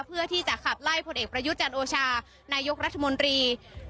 เพื่อที่จะขับไล่พลเอกประยุทธ์จันโอชานายกรัฐมนตรี